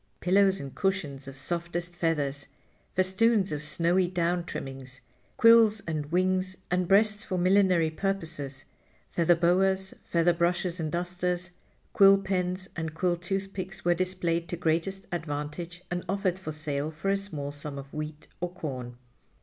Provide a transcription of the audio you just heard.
Pillows and cushions of softest feathers, festoons of snowy down trimmings, quills and wings and breasts for millinery purposes, feather boas, feather brushes and dusters, quill pens and quill toothpicks were displayed to greatest advantage and offered for sale for a small sum of wheat or corn.